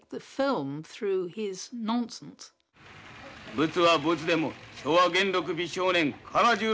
ブツはブツでも昭和元禄美少年唐十郎のでっけえブツだ。